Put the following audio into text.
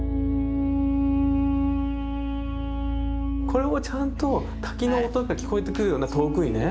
これはちゃんと滝の音が聞こえてくるような遠くにね。